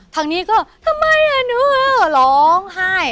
ทางนี้ก็ทำไมอ่ะหนูร้องไห้